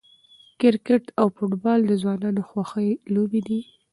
کرکټ او فوټبال د ځوانانو خوښې لوبې دي.